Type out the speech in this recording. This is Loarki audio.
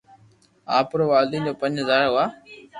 آپري والدين جا پنج ٻار هئا